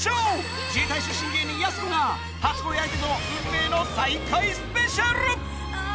自衛隊出身芸人、やす子が、初恋相手と運命の再会スペシャル。